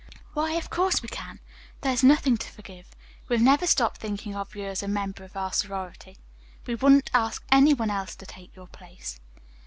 "Why, of course, we can. There is nothing to forgive. We have never stopped thinking of you as a member of our sorority. We wouldn't ask any one else to take your place."